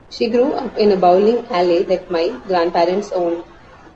She grew up in a bowling alley that my grandparents owned.